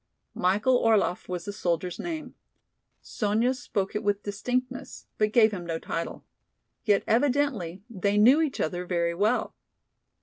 Michael Orlaff was the soldier's name. Sonya spoke it with distinctness, but gave him no title. Yet evidently they knew each other very well.